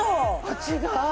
違う！